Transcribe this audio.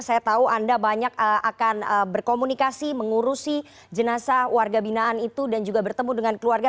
saya tahu anda banyak akan berkomunikasi mengurusi jenazah warga binaan itu dan juga bertemu dengan keluarga